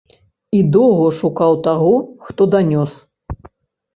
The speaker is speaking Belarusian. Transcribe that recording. І доўга шукаў таго, хто данёс.